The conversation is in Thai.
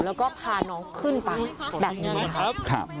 แล้วก็พาน้องขึ้นไปแบบนี้นะครับ